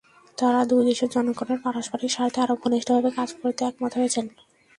তাঁরা দুই দেশের জনগণের পারস্পরিক স্বার্থে আরও ঘনিষ্ঠভাবে কাজ করতে একমত হয়েছেন।